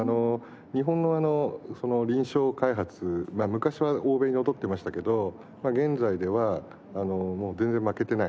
日本の臨床開発は昔は欧米に劣ってましたけど現在では全然負けてない。